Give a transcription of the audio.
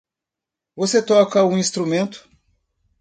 Você toca um instrumento?